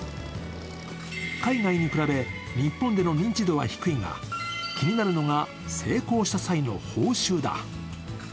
海外に比べ日本での認知度は低いが気になるのが成功した際の報酬だ。